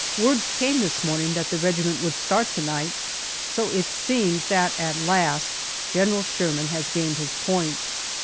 Word came this morning that the regiment would start to night, so it seems that at last General Sherman has gained his point.